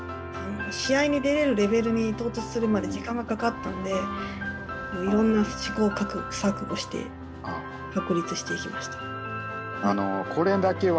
試合に出れるレベルに到達するまで時間がかかったのでいろんな試行錯誤して確立していきました。